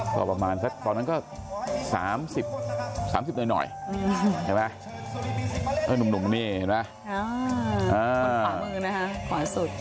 ตอนนั้นก็๓๐หน่อยนุ่มนี่เห็นมั้ย